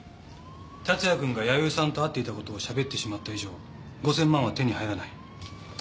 達也君が弥生さんと会っていたことを喋ってしまった以上５，０００万円は手に入らない。